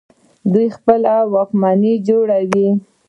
دوی خپله واکمني جوړه کړه